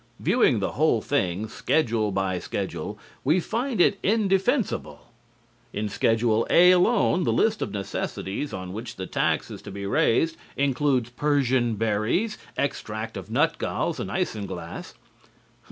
Viewing the whole thing, schedule by schedule, we find it indefensible. In Schedule A alone the list of necessities on which the tax is to be raised includes Persian berries, extract of nutgalls and isinglass.